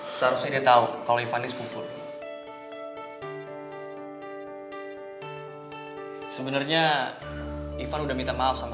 hai seharusnya tahu kalau ivan is putri sebenarnya ivan udah minta maaf sama